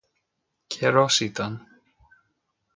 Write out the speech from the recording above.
Καιρός ήταν